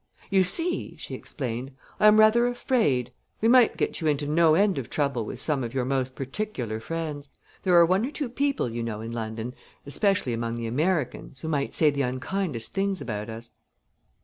"You see," she explained, "I am rather afraid. We might get you into no end of trouble with some of your most particular friends. There are one or two people, you know, in London, especially among the Americans, who might say the unkindest things about us."